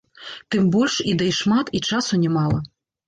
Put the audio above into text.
Тым больш, ідэй шмат, і часу нямала.